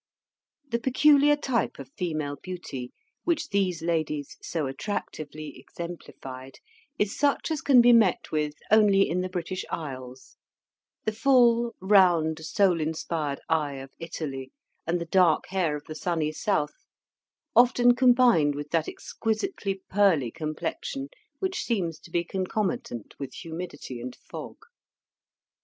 The peculiar type of female beauty which these ladies so attractively exemplified, is such as can be met with only in the British Isles: the full, round, soul inspired eye of Italy, and the dark hair of the sunny south, often combined with that exquisitely pearly complexion which seems to be concomitant with humidity and fog.